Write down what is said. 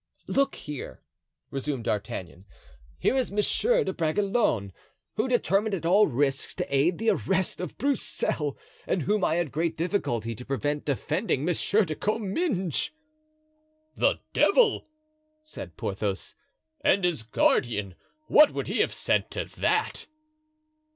"Look here," resumed D'Artagnan; "here is Monsieur de Bragelonne, who determined at all risks to aid the arrest of Broussel and whom I had great difficulty to prevent defending Monsieur de Comminges." "The devil!" said Porthos; "and his guardian, what would he have said to that?"